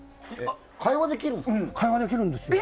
会話できるんですよ。